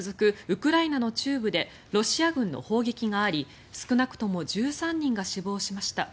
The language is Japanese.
ウクライナの中部でロシア軍の砲撃があり少なくとも１３人が死亡しました。